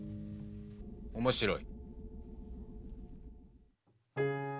面白い。